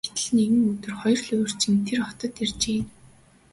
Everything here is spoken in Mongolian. Гэтэл нэгэн өдөр хоёр луйварчин тэр хотод иржээ.